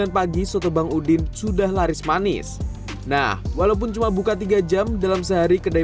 pagi soto bang udin sudah laris manis nah walaupun cuma buka tiga jam dalam sehari kedai